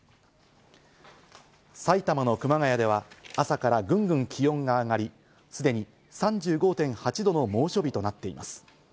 埼玉の熊谷では朝からグングン気温が上がり、すでに３５．８度の猛暑日となっています。